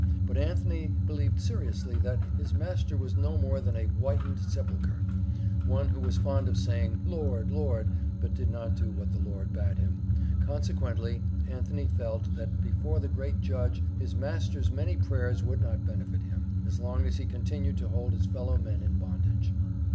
But Anthony believed seriously, that his master was no more than a "whitened sepulchre," one who was fond of saying, "Lord, Lord," but did not do what the Lord bade him, consequently Anthony felt, that before the Great Judge his "master's many prayers" would not benefit him, as long as he continued to hold his fellow men in bondage.